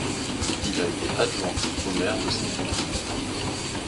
Il a été adjoint au maire de cette ville.